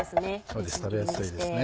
そうです食べやすいですね。